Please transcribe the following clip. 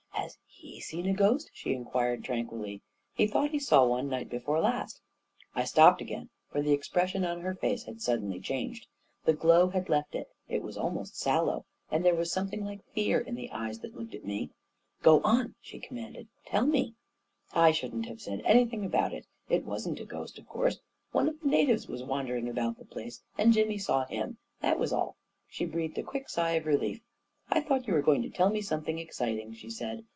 " Has he seen a ghost? " she inquired tranquilly. 11 He thought he saw one night before last ..." I stopped again, for the expression of her face had suddenly changed. The glow had left it — it was almost sallow — and there was something like fear in the eyes that looked at me. " Go on !" she commanded. " Tell me 1 " "I shouldn't have said anything about it! It wasn't a ghost, of course. One of the natives was wandering about the place, and Jimmy saw him — that was all." She breathed a quick sigh of relief. " I thought you were going to tell me something exciting," she said.